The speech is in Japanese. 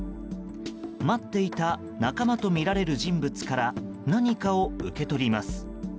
待っていた仲間とみられる人物から何かを受け取ります。